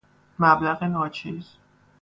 مبلغ ناچیز